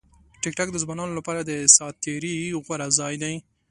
ټیکټاک د ځوانانو لپاره د ساعت تېري غوره ځای دی.